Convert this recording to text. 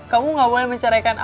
kamu gak boleh menceraikan